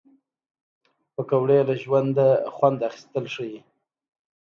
پکورې له ژونده خوند اخیستل ښيي